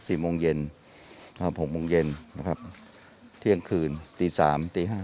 โมงเย็นอ่าหกโมงเย็นนะครับเที่ยงคืนตีสามตีห้า